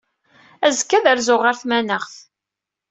Azekka ad rzuɣ ɣer tmanaɣt.